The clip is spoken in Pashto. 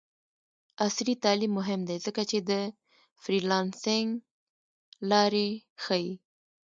عصري تعلیم مهم دی ځکه چې د فریلانسینګ لارې ښيي.